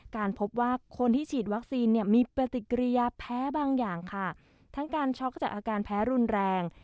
การพบว่าคนที่ฉีดวัคซีนเนี่ยมีปฏิกิริยาแพ้บางอย่างค่ะทั้งการช็อกจากอาการแพ้รุนแรง